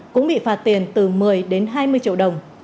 cũng bị phạt tiền từ một mươi đến hai mươi triệu đồng